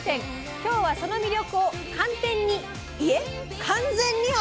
今日はその魅力を「寒天」にいえ「完全」にお伝えします！